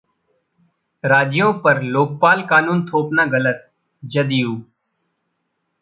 राज्यों पर लोकपाल कानून थोपना गलतः जदयू